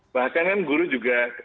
bahkan kan guru juga